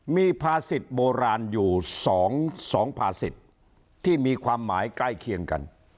มีภาษิตโบราณอยู่๒ภาษิตที่มีความหมายใกล้เคียงกัน